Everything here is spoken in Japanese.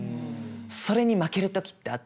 それに負ける時ってあって。